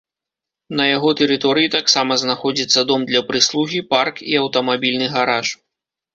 На яго тэрыторыі таксама знаходзіцца дом для прыслугі, парк і аўтамабільны гараж.